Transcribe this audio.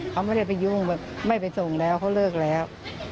เขาไม่ได้ไปยุ่งแบบไม่ไปส่งแล้วเขาเลิกแล้ว